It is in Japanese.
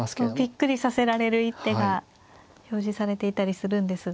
びっくりさせられる一手が表示されていたりするんですが。